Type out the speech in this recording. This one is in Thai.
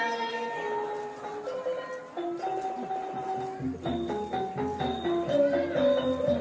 การทีลงเพลงสะดวกเพื่อความชุมภูมิของชาวไทย